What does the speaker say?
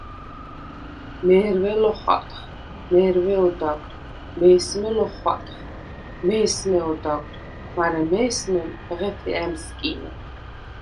მე̄რვე ლოხატხ, მე̄რვე ოდაგრ, მე̄სმე ლოხვატხ, მე̄სმე ოდაგრ, მარე მე̄სმემ ბღეთე ა̈მსკინე.